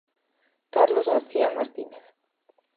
Carlos García Martínez.